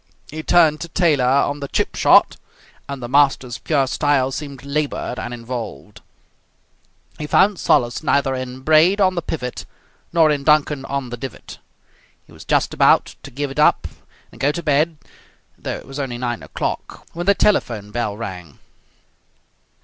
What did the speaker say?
He turned to Taylor "On the Chip Shot", and the master's pure style seemed laboured and involved. He found solace neither in Braid "On the Pivot" nor in Duncan "On the Divot". He was just about to give it up and go to bed though it was only nine o'clock, when the telephone bell rang.